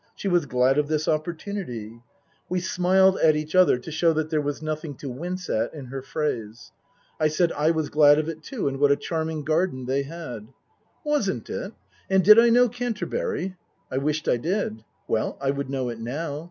She was glad of this opportunity (We smiled at each other to show that there was nothing to wince at in her phrase.) I said I was glad of it too, and what a charming garden they had. Wasn't it ? And did I know Canterbury ? I wished I did. Well I would know it now.